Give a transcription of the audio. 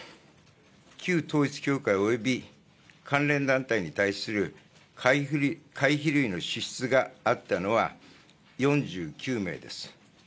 旧統一教会および関連団体に対する会費類の支出があったのは、４９名です。